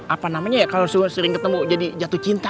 apa namanya ya kalau sudah sering ketemu jadi jatuh cinta